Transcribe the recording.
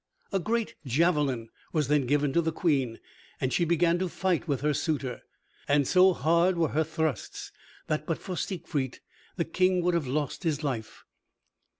A great javelin was then given to the Queen, and she began to fight with her suitor, and so hard were her thrusts that but for Siegfried the King would have lost his life.